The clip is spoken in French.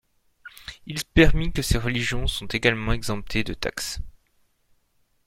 Ils permit que ces religions sont également exemptées de taxes.